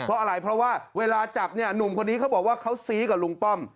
เพราะอะไรเพราะว่าเวลาจับเนี่ยหนุ่มคนนี้เขาบอกว่าเขาซี้กับลุงป้อม